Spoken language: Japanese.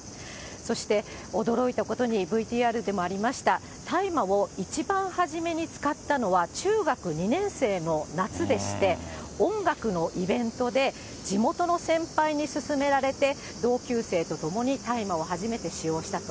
そして驚いたことに、ＶＴＲでもありました大麻を一番初めに使ったのは中学２年生の夏でして、音楽のイベントで地元の先輩に勧められて同級生と共に大麻を初めて使用したと。